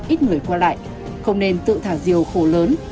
ít người qua lại không nên tự thả diều khổ lớn